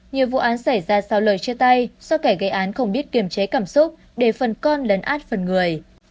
nhiều vụ án xảy ra sau lời chia tay do kẻ gây án không biết kiềm chế cảm xúc để phần con lấn át phần người